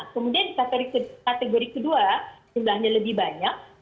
kemudian di kategori kedua jumlahnya lebih banyak